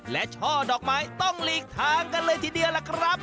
และช่อดอกไม้ต้องหลีกทางกันเลยทีเดียวล่ะครับ